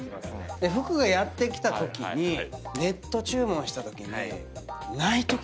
服がやって来たときにネット注文したときにないときがあんのよ。